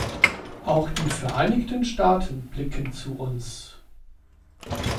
Auch die Vereinigten Staaten blicken zu uns.